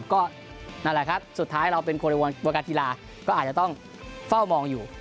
ก็นั่นแหละครับสุดท้ายเราเป็นคนวงการกีฬาก็อาจจะต้องเฝ้ามองอยู่